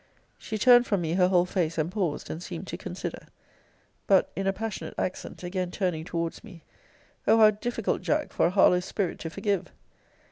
She turned from me her whole face, and paused, and seemed to consider. But, in a passionate accent, again turning towards me, [O how difficult, Jack, for a Harlowe spirit to forgive!